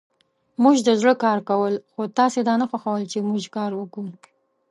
موژدزړه کارکول خوتاسی دانه خوښول چی موژکاروکوو